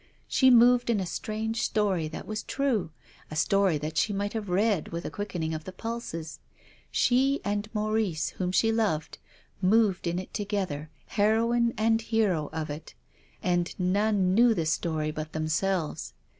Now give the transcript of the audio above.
She moved in a strange story that was true, a story that she might have read with a quickening of the pulses. She and Maurice, Avhom she loved, moved in it to gether heroine and hero of it. And none knew the story but themselves.